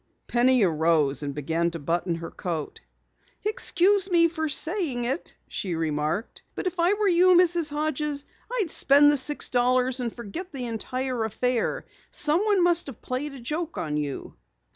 Penny arose and began to button her raincoat. "Excuse me for saying it," she remarked, "but if I were you, Mrs. Hodges, I'd spend the six dollars and forget the entire affair. Someone must have played a joke on you!"